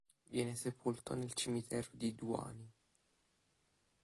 Viene sepolto nel cimitero di Douai.